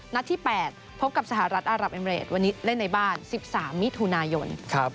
นัดที่๘พบกับสหรัฐอารับเอมเรดวันนี้เล่นในบ้าน๑๓มิถุนายน